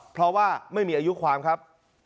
เพราะว่าไม่มีอายุความครับ